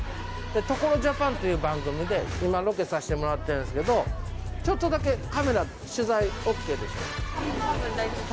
「所ＪＡＰＡＮ」という番組で今ロケさしてもらってるんですけどちょっとだけカメラ取材ＯＫでしょうか？